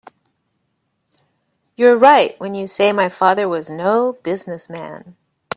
You're right when you say my father was no business man.